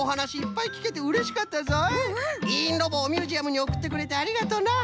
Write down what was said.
いいんロボをミュージアムにおくってくれてありがとな。